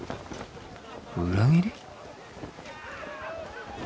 裏切り？